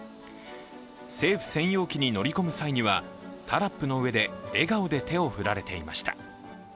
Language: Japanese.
政府専用機に乗り込む際にはタラップの上で笑顔で手を振られていました。